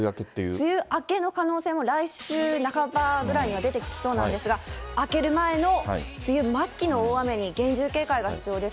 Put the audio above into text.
梅雨明けの可能性も来週半ばぐらいには出てきそうなんですが、明ける前の梅雨末期の大雨に厳重警戒が必要です。